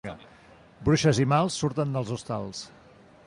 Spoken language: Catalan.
Bruixes i mals surten dels hostals.